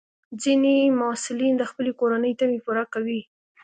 ځینې محصلین د خپلې کورنۍ تمې پوره کوي.